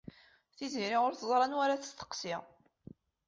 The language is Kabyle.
Tiziri ur teẓri anwa ara tesseqsi.